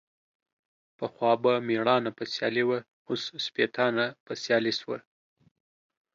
پخوا به ميړانه په سيالي وه ، اوس سپيتانه په سيالي سوه.